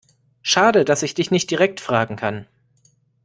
Schade, dass ich dich nicht direkt fragen kann.